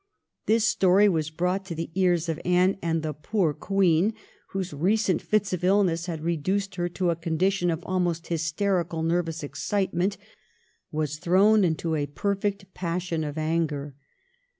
This story was brought to the ears of Anne, and the poor Queen, whose recent fits of illness had reduced her to a condition of almost hysterical nervous excite ment, was thrown into a perfect passion of anger.